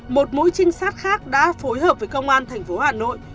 một mũi trinh sát khác đã phối hợp với công an thành phố hà nội